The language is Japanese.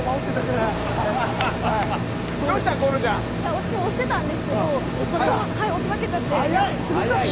私も押してたんですけれども、押し負けちゃって、すごかった。